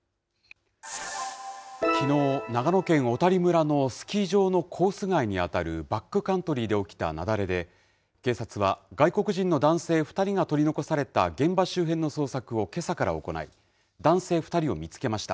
きのう、長野県小谷村のスキー場のコース外に当たるバックカントリーで起きた雪崩で、警察は外国人の男性２人が取り残された現場周辺の捜索をけさから行い、男性２人を見つけました。